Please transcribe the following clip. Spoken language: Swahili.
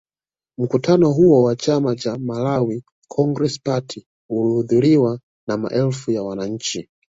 Mkutano huo wa chama cha Malawi Congress Party ulihudhuriwa na maelfu ya wananchi